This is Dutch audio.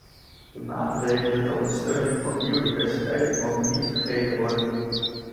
De maatregelen ter ondersteuning van biodiversiteit mogen niet vergeten worden.